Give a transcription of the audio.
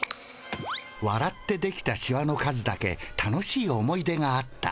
わらってできたシワの数だけ楽しい思い出があった。